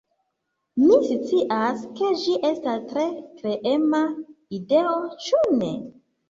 Mi scias, ke ĝi estas tre kreema ideo, ĉu ne?